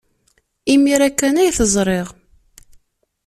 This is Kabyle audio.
Imir-a kan ay t-ẓriɣ.